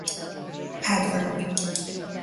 Adv.